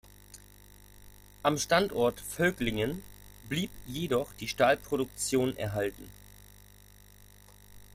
Am Standort Völklingen blieb jedoch die Stahlproduktion erhalten.